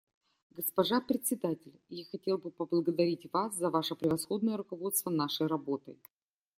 Госпожа Председатель, я хотел бы поблагодарить вас за ваше превосходное руководство нашей работой.